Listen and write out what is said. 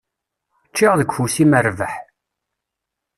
Ččiɣ deg ufus-im rrbeḥ.